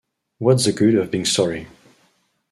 What's the good of being sorry?